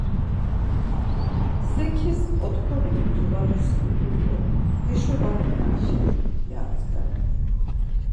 Zekis otkoni mutu var duskidun do; heşo va reni Aşe? ya atkven.